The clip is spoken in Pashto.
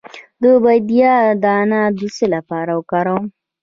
د بادیان دانه د څه لپاره وکاروم؟